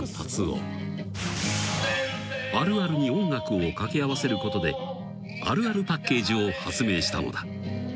［あるあるに音楽を掛け合わせることであるあるパッケージを発明したのだ］